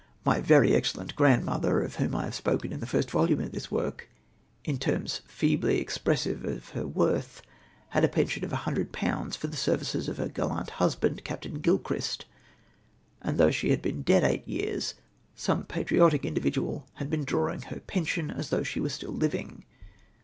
My very excellent grandmother, of whom I have spoken in the first volume of this work in terms feebly expressive of her worth, had a pension of 100/. for the services of her gallant husband, Captain Gilchrist ; and thowjh she had been dead eight years^ some patriotic individual had been draiciug her pension., as thoiif/h she were still living